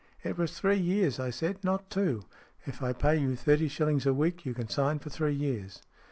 " It was three years I said, not two. If I pay you thirty shillings a week, you can sign for three years."